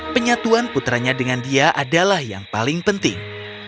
penyatuan putranya dengan dia adalah yang paling penting